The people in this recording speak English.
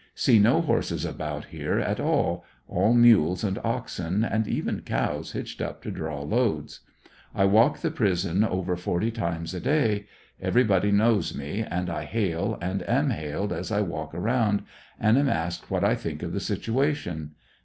See no horses about here at all — all mules and oxen, and even cows hitched up to draw loads. I walk the prison over forty times a day. Everybody knows me, and I hail and am hailed as I walk around, and am asked what I think of the situation.